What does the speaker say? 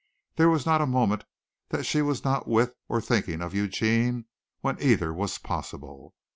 There was not a moment that she was not with or thinking of Eugene when either was possible.